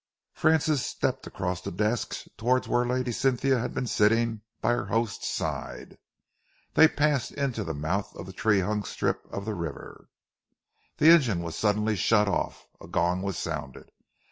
Francis stepped across the deck towards where Lady Cynthia had been sitting by her host's side. They had passed into the mouth of a tree hung strip of the river. The engine was suddenly shut off. A gong was sounded.